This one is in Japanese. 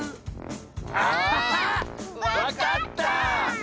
あわかった！